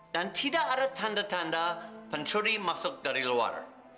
dan tidak ada tanda tanda pencuri masuk dari luar